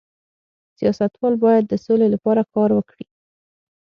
سیاستوال باید د سولې لپاره کار وکړي